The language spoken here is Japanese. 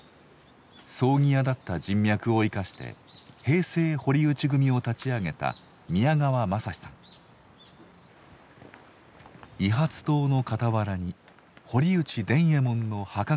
葬儀屋だった人脈を生かして平成堀内組を立ち上げた遺髪塔の傍らに堀内伝右衛門の墓があります。